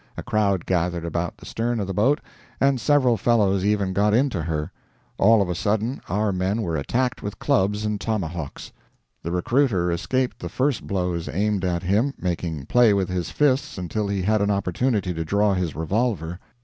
A crowd gathered about the stern of the boat, and several fellows even got into her. All of a sudden our men were attacked with clubs and tomahawks. The recruiter escaped the first blows aimed at him, making play with his fists until he had an opportunity to draw his revolver.